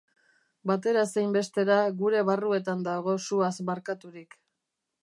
Batera zein bestera, gure barruetan dago suaz markaturik.